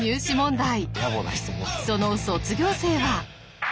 その卒業生は。